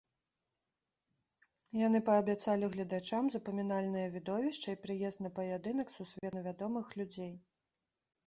Яны паабяцалі гледачам запамінальнае відовішча і прыезд на паядынак сусветна вядомых людзей.